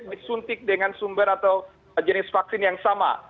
disuntik dengan sumber atau jenis vaksin yang sama